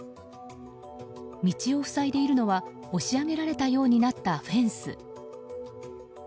道を塞いでいるのは押し上げられたようになったフェンス。